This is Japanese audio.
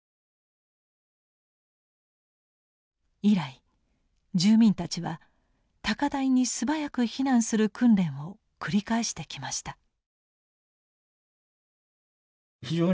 以来住民たちは高台に素早く避難する訓練を繰り返してきました。